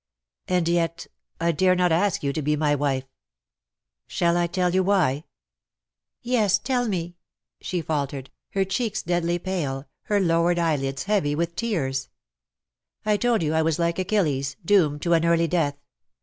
''And yet I dare not ask you to be my wife. Shall I tell you why V 122 " LOVE ! THOU ART LEADING ME " Yes^ tell me/^ slie faltered, her cheeks deadly pale, her lowered eyelids heavy with tears. ^' I told you I was like Achilles, doomed to an early death.